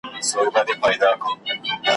اوس لکه چي ستا د جنازې تر ورځي پاته یم `